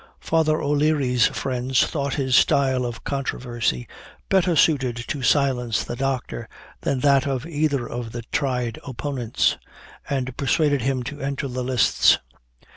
Father O'Leary's friends thought his style of controversy better suited to silence the Doctor than that of either of the tried opponents, and persuaded him to enter the lists.